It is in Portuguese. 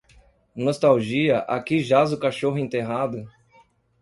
nostalgia Aqui jaz o cachorro enterrado